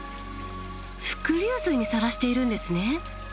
伏流水にさらしているんですね。